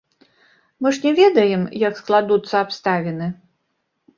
Мы ж не ведаем, як складуцца абставіны.